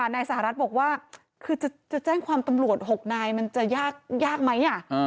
นายสหรัฐบอกว่าคือจะแจ้งความตำรวจ๖นายมันจะยากไหม